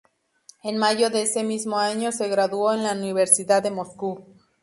En mayo de ese mismo año se graduó en la Universidad de Moscú.